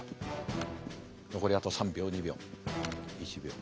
残りあと３秒２秒１秒。